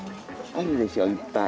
あるでしょいっぱい。